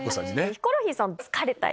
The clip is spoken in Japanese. ヒコロヒーさんは好かれたい？